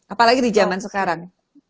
apalagi di zaman sekarang